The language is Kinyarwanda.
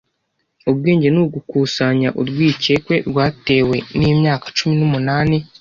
Ubwenge ni ugukusanya urwikekwe rwatewe n'imyaka cumi n'umunani.